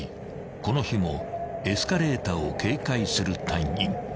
［この日もエスカレーターを警戒する隊員］